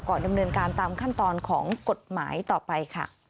ดำเนินการตามขั้นตอนของกฎหมายต่อไปค่ะ